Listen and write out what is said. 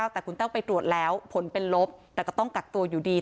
แต่คุณแต้วไปตรวจแล้วผลเป็นลบแต่ก็ต้องกักตัวอยู่ดี